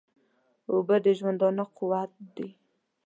اوبه د ژوندانه قوت دي